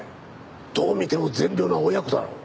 どう見ても善良な親子だろ。